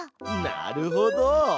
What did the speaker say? なるほど！